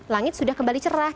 langit sudah kembali cerah